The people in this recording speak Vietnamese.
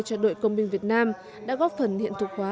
cho đội công binh việt nam đã góp phần hiện thực hóa